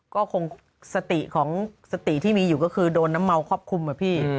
ก็คงสติของสติที่มีอยู่ก็คือโดนน้ำเมาครอบคลุมอะพี่